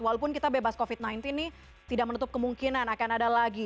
walaupun kita bebas covid sembilan belas ini tidak menutup kemungkinan akan ada lagi